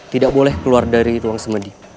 tidak boleh keluar dari ruang semedi